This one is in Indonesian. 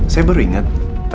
saya baru ingat